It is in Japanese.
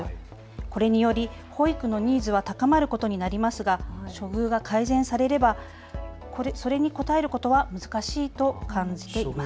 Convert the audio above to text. これにより保育のニーズは高まることになりますが処遇が改善されればそれに応えることは難しいと感じています。